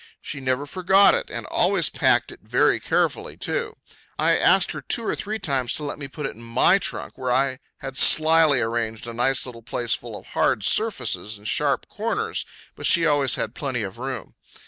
She never forgot it, and always packed it very carefully, too. I asked her two or three times to let me put it in my trunk, where I had slyly arranged a nice little place full of hard surfaces and sharp corners, but she always had plenty of room.